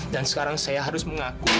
dan sekarang saya harus mengakui